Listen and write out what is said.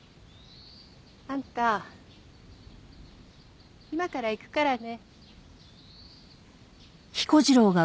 あんた今から行くからね。